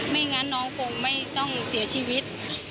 ไม่งั้นน้องคงไม่ต้องเสียชีวิต